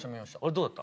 どうだった？